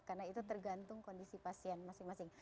karena itu tergantung kondisi pasien masing masing